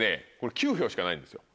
９票しかないんですよ。